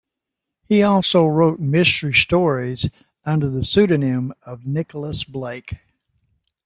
He also wrote mystery stories under the pseudonym of Nicholas Blake.